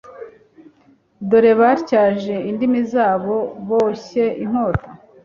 dore batyaje indimi zabo boshye inkota